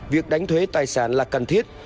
việc đánh thuế tài sản là cần thiết